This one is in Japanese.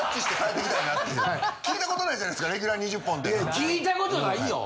いや聞いたことないよ。